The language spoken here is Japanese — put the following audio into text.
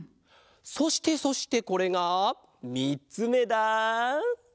そしてそしてこれがみっつめだ！